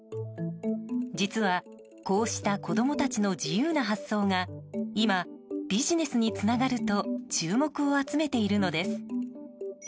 実は、こうした子供たちの自由な発想が今、ビジネスにつながると注目を集めているのです。